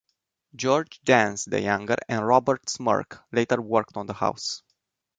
George Dance the Younger and Robert Smirke later worked on the house.